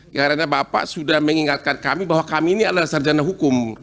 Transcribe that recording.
karena bapak sudah mengingatkan kami bahwa kami ini adalah sarjana hukum